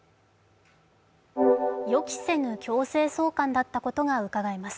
予期せぬ強制送還だったことがうかがえます。